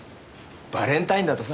バレンタインだとさ。